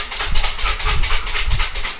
กินให้มีความสะอาด